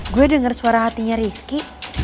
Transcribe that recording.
gue dengar suara hatinya rizky